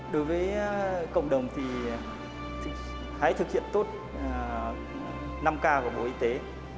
đối với cộng đồng thì hãy thực hiện tốt năm k của bộ y tế